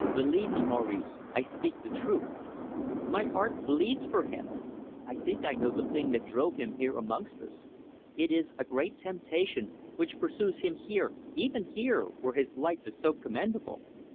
Believe me, Maurice, I speak the truth. My heart bleeds for him. I think I know the thing that drove him here amongst us. It is a great temptation, which pursues him here even here, where his life is so commendable.